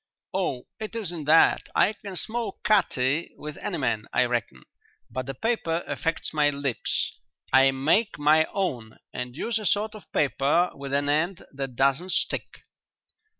"Oh, it isn't that. I can smoke cutty with any man, I reckon, but the paper affects my lips. I make my own and use a sort of paper with an end that doesn't stick."